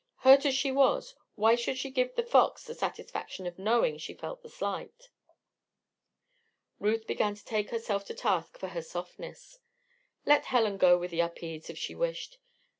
Hurt as she was, why should she give The Fox the satisfaction of knowing she felt the slight? Ruth began to take herself to task for her "softness." Let Helen go with the Upedes if she wished.